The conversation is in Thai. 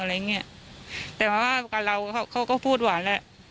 อะไรอย่างเงี้ยแต่ว่ากับเราเขาก็พูดหวานแหละ